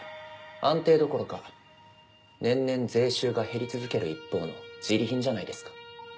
安定どころか年々税収が減り続ける一方のジリ貧じゃないですか。